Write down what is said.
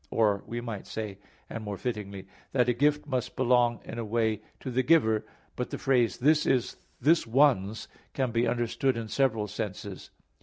Or we might say, and more fittingly, that a gift must belong in a way to the giver. But the phrase, "this is this one's," can be understood in several senses.